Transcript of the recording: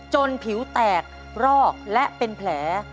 ผิวแตกรอกและเป็นแผล